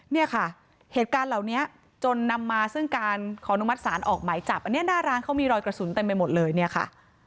เนี่ยค่ะเหตุการณ์เหล่านี้จนนำมาซึ่งการขอนุมัติศาลออกหมายจับอันนี้หน้าร้านเขามีรอยกระสุนเต็มไปหมดเลยเนี่ยค่ะ